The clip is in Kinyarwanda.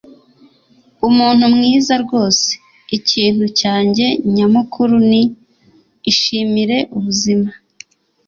umuntu mwiza rwose. ikintu cyanjye nyamukuru ni, 'ishimire ubuzima